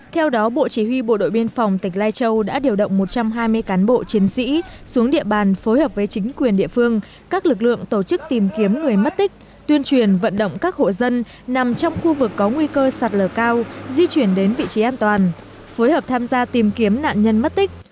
theo đó bộ chỉ huy bộ đội biên phòng tỉnh lai châu đã điều động một trăm hai mươi cán bộ chiến sĩ xuống địa bàn phối hợp với chính quyền địa phương các lực lượng tổ chức tìm kiếm người mất tích tuyên truyền vận động các hộ dân nằm trong khu vực có nguy cơ sạt lở cao di chuyển đến vị trí an toàn phối hợp tham gia tìm kiếm nạn nhân mất tích